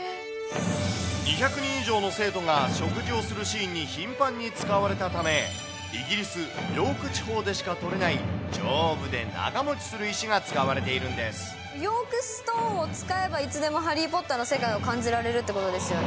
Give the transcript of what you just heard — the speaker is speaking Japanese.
２００人以上の生徒が食事をするシーンに頻繁に使われたため、イギリス・ヨーク地方でしかとれない丈夫で長もちする石が使われヨークストーンを使えば、いつでもハリー・ポッターの世界を感じられるってことですよね。